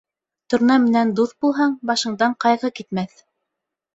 Торна менән дуҫ булһаң, башыңдан ҡайғы китмәҫ.